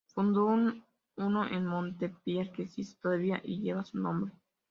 Fundó uno en Montpellier que existe todavía y lleva su nombre.